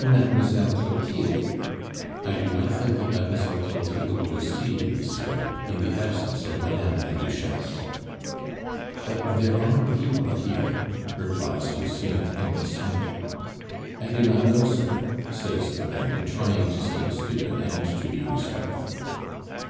"Mademoiselle Clotilde " "I do not think that Mademoiselle Clotilde will see you, monsieur, in the absence of Madame la Duchesse." "But there are people here," replies Lucien in dismay. "I do not know, sir," says the man, trying to seem stupid and to be respectful.